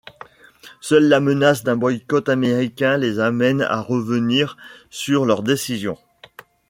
Seule la menace d'un boycott américain les amène à revenir sur leur décision.